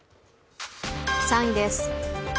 ３位です。